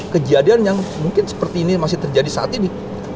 kejadian yang mungkin seperti ini masih terjadi saat ini